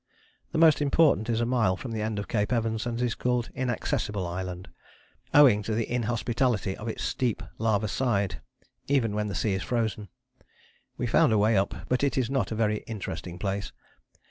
The most important is a mile from the end of Cape Evans and is called Inaccessible Island, owing to the inhospitality of its steep lava side, even when the sea is frozen; we found a way up, but it is not a very interesting place.